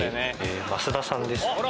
増田さんです。